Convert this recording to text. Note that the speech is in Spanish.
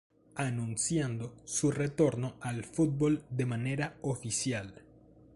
Anunciando su retorno al fútbol de manera oficial.